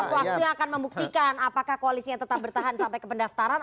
waktunya akan membuktikan apakah koalisinya tetap bertahan sampai ke pendaftaran